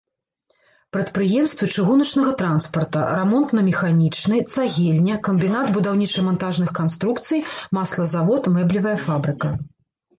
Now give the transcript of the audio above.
Прадпрыемствы чыгуначнага транспарта, рамонтна-механічны, цагельня, камбінат будаўніча-мантажных канструкцый, маслазавод, мэблевая фабрыка.